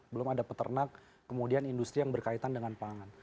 belum ada peternak kemudian industri yang berkaitan dengan pangan